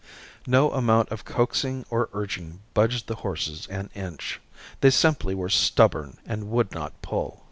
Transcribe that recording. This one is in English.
No amount of coaxing or urging budged the horses an inch. They simply were stubborn and would not pull.